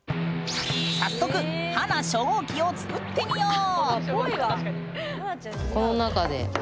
早速華初号機を作ってみよう！